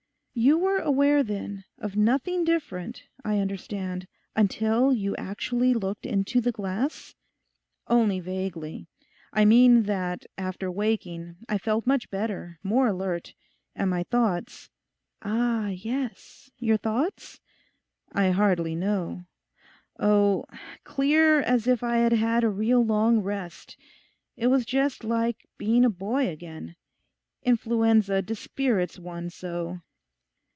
'You were aware then of nothing different, I understand, until you actually looked into the glass?' 'Only vaguely. I mean that after waking I felt much better, more alert. And my thoughts—' 'Ah, yes, your thoughts?' 'I hardly know—oh, clear as if I had had a real long rest. It was just like being a boy again. Influenza dispirits one so.